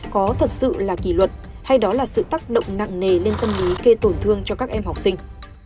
có thật sự là kỷ luật hay đó là sự tác động nặng nề lên tâm lý gây tổn thương cho các em học sinh